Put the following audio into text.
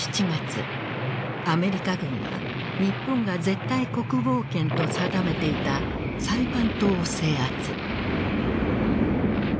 アメリカ軍は日本が絶対国防圏と定めていたサイパン島を制圧。